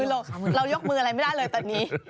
เรายกมืออะไรไม่ได้เลยตอนนี้